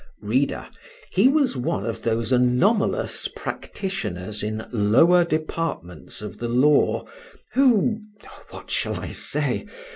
Reader, he was one of those anomalous practitioners in lower departments of the law who—what shall I say?